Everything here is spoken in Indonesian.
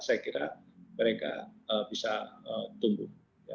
saya kira mereka bisa tumbuh